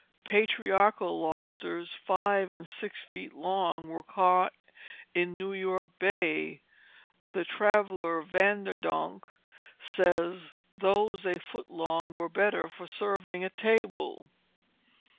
Patriarchal lobsters five and six feet long were caught in New York Bay. The traveller, Van der Donck, says "those a foot long are better for serving at table."